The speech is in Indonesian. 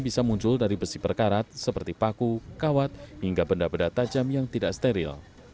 bisa muncul dari besi perkarat seperti paku kawat hingga benda benda tajam yang tidak steril